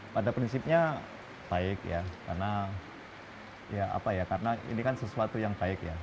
pada prinsipnya baik ya karena ini kan sesuatu yang baik ya